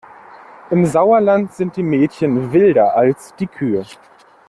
Im Sauerland sind die Mädchen wilder als die Kühe.